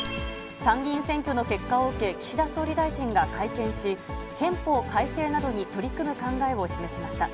参議院選挙の結果を受け、岸田総理大臣が会見し、憲法改正などに取り組む考えを示しました。